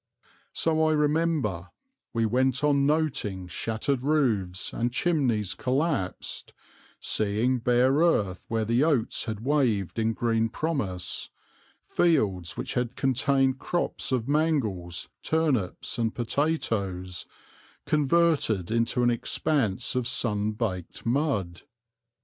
So, I remember, we went on noting shattered roofs, and chimneys collapsed, seeing bare earth where the oats had waved in green promise, fields which had contained crops of mangels, turnips, and potatoes, converted into an expanse of sun baked mud.